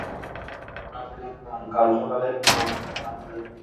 নবীনের পণ, কাল সকালেই বউরানীকে রওনা করে দেবে।